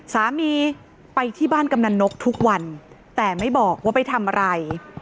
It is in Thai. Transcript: สามีไปที่บ้านกำนันนกทุกวันแต่ไม่บอกว่าไปทำอะไร